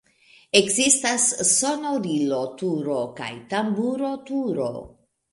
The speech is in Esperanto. Ekzistas sonorilo-turo kaj tamburo-turo.